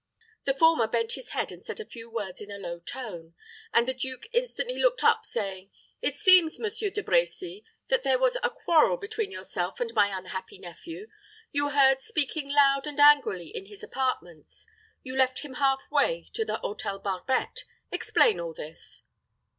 The former bent his head, and said a few words in a low tone; and the duke instantly looked up, saying, "It seems, Monsieur De Brecy, that there was a quarrel between yourself and my unhappy nephew. You were heard speaking loud and angrily in his apartments; you left him half way to the Hôtel Barbette. Explain all this!"